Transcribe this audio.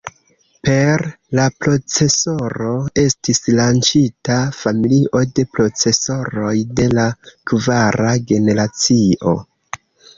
Per la procesoro estis lanĉita familio de procesoroj de la kvara generacio.